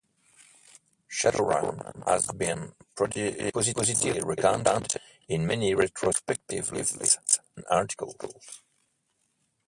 "Shadowrun" has been positively recounted in many retrospective lists and articles.